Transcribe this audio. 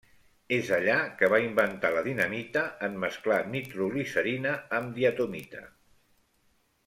És allà que va inventar la dinamita en mesclar nitroglicerina amb diatomita.